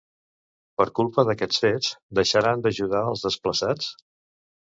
Per culpa d'aquests fets, deixaran d'ajudar als desplaçats?